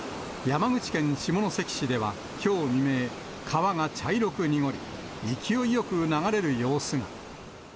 山口県下関市では、きょう未明、川が茶色く濁り、勢いよく流れる様子が。